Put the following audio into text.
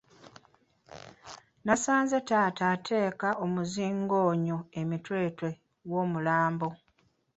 Nasanze taata ateeka omuzingoonyo emitwetwe w’omulambo.